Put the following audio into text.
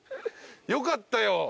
よかったよ！